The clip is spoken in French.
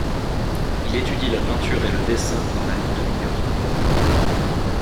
Il étudie la peinture et le dessin dans la ville de New York.